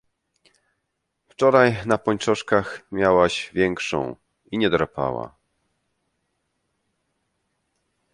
Wczoraj na pończoszkach miałaś większą i nie drapała.